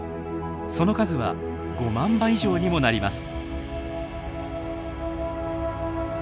その数は５万羽以上にもなります。